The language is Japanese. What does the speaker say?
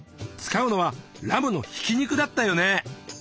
使うのはラムのひき肉だったよね。